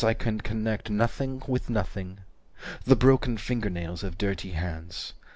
300 I can connect Nothing with nothing. The broken finger nails of dirty hands.